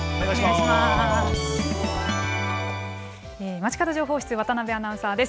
まちかど情報室、渡辺アナウンサーです。